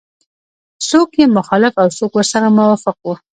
څوک یې مخالف او څوک ورسره موافق وو.